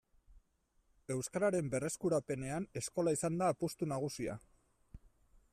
Euskararen berreskurapenean eskola izan da apustu nagusia.